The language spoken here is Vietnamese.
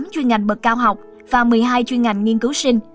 một mươi chuyên ngành bậc cao học và một mươi hai chuyên ngành nghiên cứu sinh